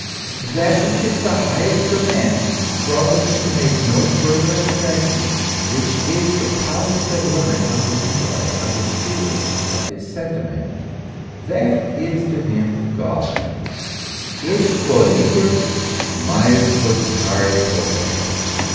That which is the highest for man, from which he can make no further ab straction, which is the positive limit of his intellect, of his feeling, of his sentiment, that is to him God id quo nihil majus cogitari potest.